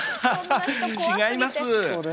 違います。